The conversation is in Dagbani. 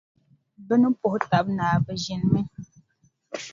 Bɛ ni puhi taba naai, bɛ ʒinimi.